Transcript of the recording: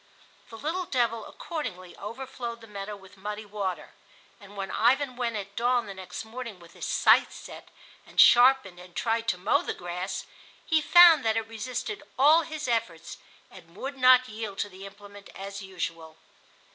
The little devil accordingly overflowed the meadow with muddy water, and, when Ivan went at dawn next morning with his scythe set and sharpened and tried to mow the grass, he found that it resisted all his efforts and would not yield to the implement as usual.